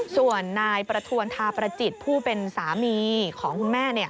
ส่วนนายประทวนทาประจิตผู้เป็นสามีของคุณแม่